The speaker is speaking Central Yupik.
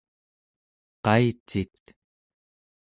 qaicit?